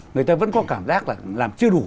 người ta vẫn có cảm giác là làm chưa đủ